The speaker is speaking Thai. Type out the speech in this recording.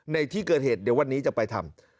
ในที่เกิดเหตุเดี๋ยววันนี้จะไปทำ